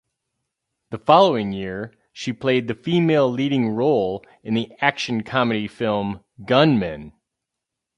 The following year, she played the female leading role in the action-comedy film, "Gunmen".